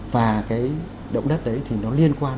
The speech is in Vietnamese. và cái động đất đấy thì nó liên quan